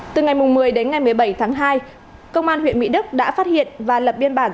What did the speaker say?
từ ngày một mươi đến ngày một mươi bảy tháng hai công an huyện mỹ đức đã phát hiện và lập biên bản